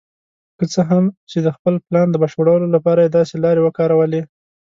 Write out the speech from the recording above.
که څه هم چې د خپل پلان د بشپړولو لپاره یې داسې لارې وکارولې.